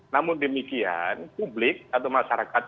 namun demikian publik atau masyarakat